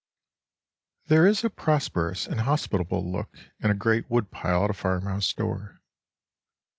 There is a prosperous and hospitable look in a great woodpile at a farmhouse door.